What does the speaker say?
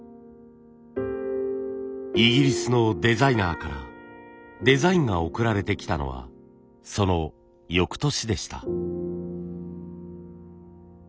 イギリスのデザイナーからデザインが送られてきたのはそのよくとしでした。